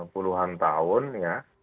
puluhan tahun ya